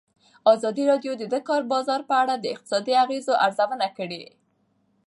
ازادي راډیو د د کار بازار په اړه د اقتصادي اغېزو ارزونه کړې.